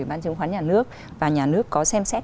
bản trứng khoán nhà nước và nhà nước có xem xét